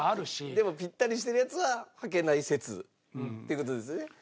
でもピッタリしてるやつははけない説っていう事ですよね。